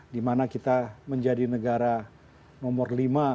di mana kita menjadi negara nomor lima